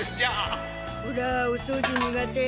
オラお掃除苦手。